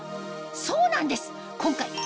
そうなんです！